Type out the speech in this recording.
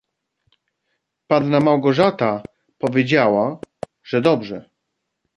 "Panna Małgorzata powiedziała, że dobrze."